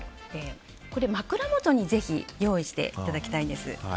これは枕元にぜひ用意していただきたいです。